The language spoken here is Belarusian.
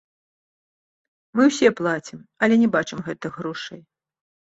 Мы ўсе плацім, але не бачым гэтых грошай.